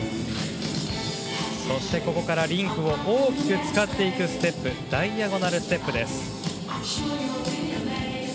そして、ここからリンクを大きく使っていくステップダイアゴナルステップです。